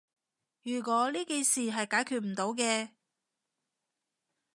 如果呢件事係解決唔到嘅